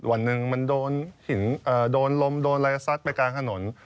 อันนึงโดนลมโดนไร้ศัตริย์ไปกลางขนโดน